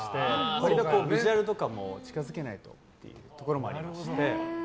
割とビジュアルとかも近づけないとというところもありまして。